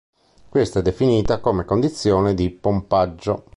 Questa è definita come condizione di pompaggio.